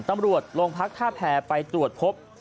ตำรวจโรงพักท่าแผ่ไปตรวจพบ